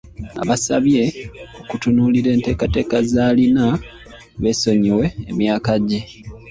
Abasabye okutunuulira enteekateeka z'alina beesonyiwe emyaka gye.